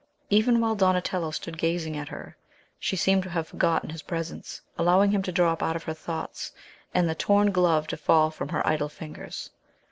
Even while Donatello stood gazing at her, she seemed to have forgotten his presence, allowing him to drop out of her thoughts, and the torn glove to fall from her idle fingers.